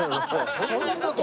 そんな事。